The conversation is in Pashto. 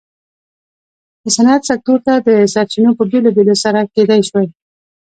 د صنعت سکتور ته د سرچینو په بېلولو سره کېدای شوای.